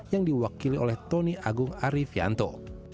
yang diwakili oleh tony agung arif yanto